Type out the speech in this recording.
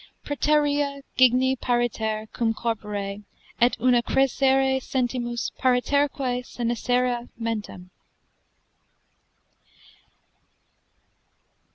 (Praeterea gigni pariter cum corpore, et una Cresere sentimus, pariterque senescere mentem.)